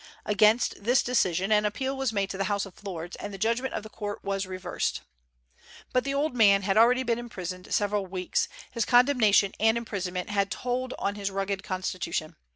Against this decision an appeal was made to the House of Lords, and the judgment of the court was reversed. But the old man had already been imprisoned several weeks; his condemnation and imprisonment had told on his rugged constitution.